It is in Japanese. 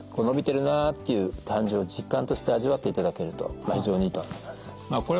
伸びてるなっていう感じを実感として味わっていただけると非常にいいと思います。